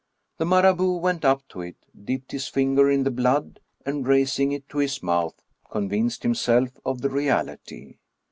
The Marabout went up to it, dipped his finger in the blood, and, raising it to his mouth, convinced himself of the reality.